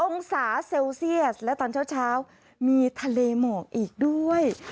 องศาเซลเซียสและตอนเช้ามีทะเลหมอกอีกด้วย